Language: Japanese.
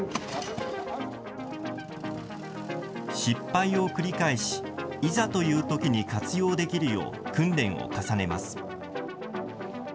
失敗を繰り返し、いざというときに活用できるよう訓練を重ねます。